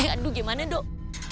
aduh gimana dok